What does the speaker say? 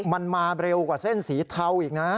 มันมาเร็วกว่าเส้นสีเทาอีกนะ